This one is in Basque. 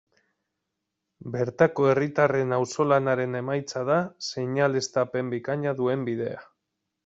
Bertako herritarren auzolanaren emaitza da seinaleztapen bikaina duen bidea.